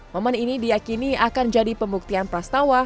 momen ini diakini akan jadi pembuktian prastawa